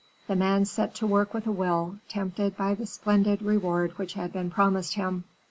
The man set to work with a will, tempted by the splendid reward which had been promised him.